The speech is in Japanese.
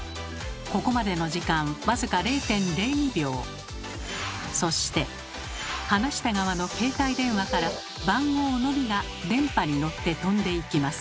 ここまでの時間僅かそして話した側の携帯電話から番号のみが電波にのって飛んでいきます。